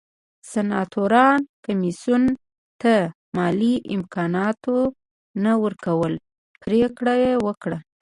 سناتورانو کمېسیون ته مالي امکاناتو نه ورکولو پرېکړه وکړه